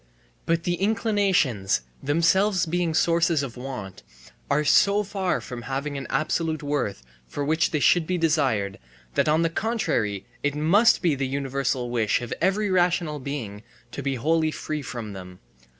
But the inclinations, themselves being sources of want, are so far from having an absolute worth for which they should be desired that on the contrary it must be the universal wish of every rational being to be wholly free from them.